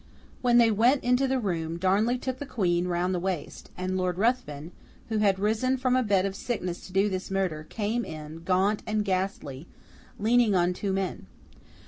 When they went into the room, Darnley took the Queen round the waist, and Lord Ruthven, who had risen from a bed of sickness to do this murder, came in, gaunt and ghastly, leaning on two men.